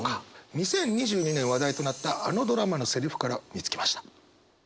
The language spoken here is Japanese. ２０２２年話題となったあのドラマのセリフから見つけました。